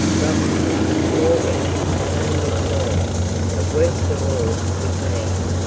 Robinson, Morgan it's the same with them all; but worst of all with me."